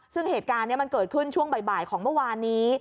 ซึ่งเหตุการณ์นี้มันเกิดขึ้นช่วงบ่ายของเมื่อวานนี้